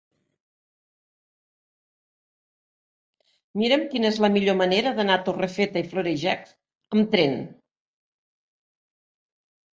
Mira'm quina és la millor manera d'anar a Torrefeta i Florejacs amb tren.